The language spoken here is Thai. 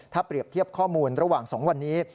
ถ้าเปรียบเทียบข้อมูลระหว่าง๒วันนี้